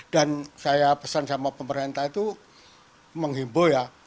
dan saya pesan sama pemerintah itu menghimbau ya